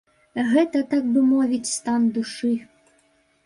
Гэта, так бы мовіць, стан душы.